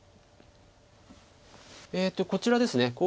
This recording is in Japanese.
こちらですね